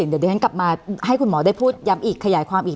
เดี๋ยวดิฉันกลับมาให้คุณหมอได้พูดย้ำอีกขยายความอีก